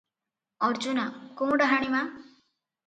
ଅର୍ଜୁନା - କୋଉଁ ଡାହାଣୀ ମା?